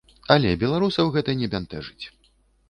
Але беларусаў гэта не бянтэжыць.